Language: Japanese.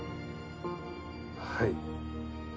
はい。